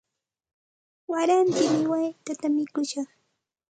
Warantimi waytata mikushaq.